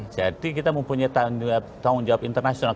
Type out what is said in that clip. jadi kita mempunyai tanggung jawab internasional